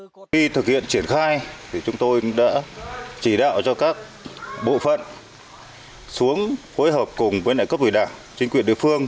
khi thực hiện triển khai thì chúng tôi đã chỉ đạo cho các bộ phận xuống hối hợp cùng với cấp ủy đảng chính quyền địa phương